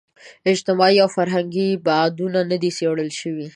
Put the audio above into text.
اجتماعي او فرهنګي بعدونه نه دي څېړل شوي.